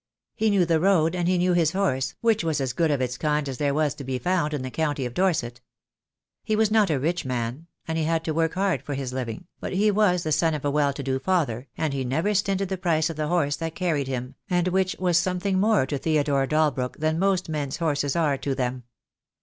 He knew the road and he knew his horse, which was as good of its kind as there was to be found in the county of Dorset. He was not a rich man, and he had to work hard for his living, but he was the son of a well to do father, and he never stinted the price of the horse that carried him, and which was something more to Theodore Dalbrook than most men's horses are to them.